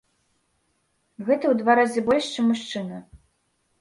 Гэта ў два разы больш, чым мужчына.